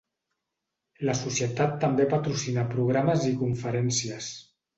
La Societat també patrocina programes i conferències.